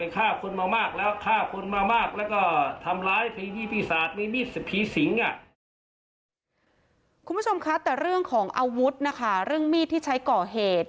คุณผู้ชมคะแต่เรื่องของอาวุธนะคะเรื่องมีดที่ใช้ก่อเหตุ